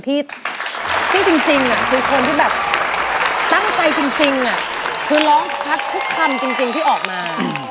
ที่จริงคือคนที่แบบตั้งใจจริงคือร้องชัดทุกคำจริงที่ออกมา